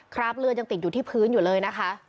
คราบเลือดยังติดอยู่ที่พื้นอยู่เลยนะคะ